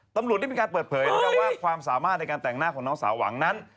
ตำรวจได้มีการเปิดเผยนะครับว่าความสามารถในการแต่งหน้าของน้องสาวหวังนั้น